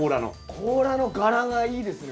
甲羅の柄がいいですね